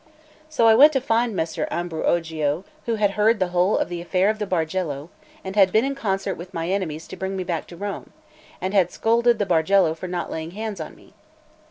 So I went to find Messer Ambruogio, who had heard the whole of the affair of the Bargello, and had been in concert with my enemies to bring me back to Rome, and had scolded the Bargello for not laying hands on me.